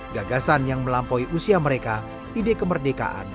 gagasan yang melampaui usia mereka ide kemerdekaan